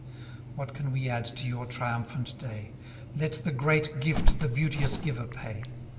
What can we add to your triumphant day? Let the great gift the beauteous giver pay.